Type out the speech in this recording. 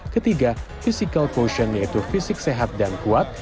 ketiga physical quotient yaitu fisik sehat dan kuat